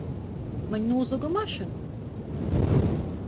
Maņ nūzoga mašynu!